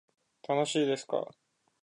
ｔｒｇｔｙｔｎ